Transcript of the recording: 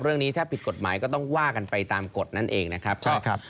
เรื่องนี้ถ้าผิดกฎหมายก็ต้องว่ากันไปตามกฎนั่นเองนะครับ